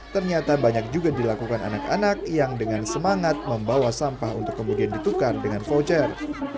ternyata banyak juga dilakukan anak anak yang dengan semangat membawa sampah untuk kemudian ditukar dengan voucher